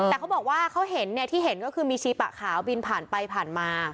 แต่เขาบอกว่าเขาเห็นเนี่ยที่เห็นก็คือมีชีปะขาวบินผ่านไปผ่านมา